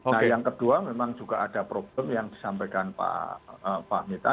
nah yang kedua memang juga ada problem yang disampaikan pak fahmi tadi